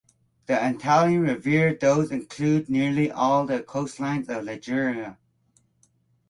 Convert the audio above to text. The Italian Riviera thus includes nearly all of the coastline of Liguria.